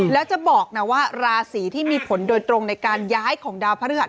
แล้วจะบอกนะว่าราศีที่มีผลโดยตรงในการย้ายของดาวพระฤหัส